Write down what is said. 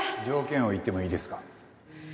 条件を言ってもいいですか？